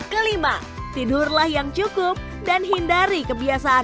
kelima tidurlah yang cukup dan hindari kebiasaan